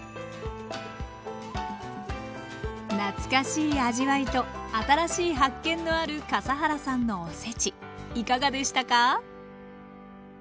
懐かしい味わいと新しい発見のある笠原さんのおせちいかがでしたか？